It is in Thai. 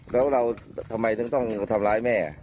แล้วเราทำไมถึงต้องทำร้ายแม่